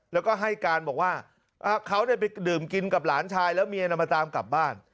แล้วก็ให้การบอกว่าเขาไปดื่มกินกับหลานชายแล้วเมียนำมาตามกลับบ้าน